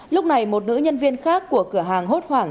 lúc này một nữ nhân viên khác của cửa hàng hốt hoảng